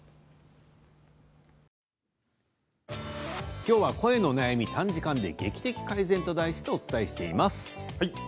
きょうは声のお悩み短時間で劇的改善と題してお伝えしています。